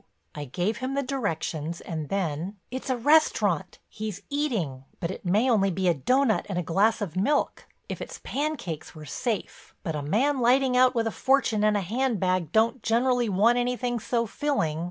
I gave him the directions and then: "It's a restaurant; he's eating. But it may only be a doughnut and a glass of milk. If it's pancakes we're safe, but a man lighting out with a fortune in a handbag don't generally want anything so filling.